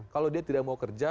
kalau dia tidak mau kerja